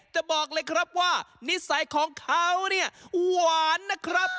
บอกเลยครับว่านิสัยของเขาเนี่ยหวานนะครับ